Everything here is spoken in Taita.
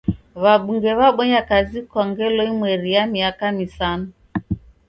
W'abunge w'abonya kazi kwa ngelo imweri ya miaka misanu.